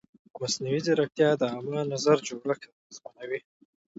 مصنوعي ځیرکتیا د عامه نظر جوړښت اغېزمنوي.